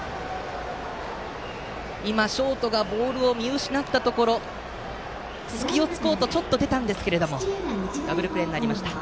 今、ショートがボールを見失ったところ隙を突こうとちょっと出たんですがダブルプレーになりました。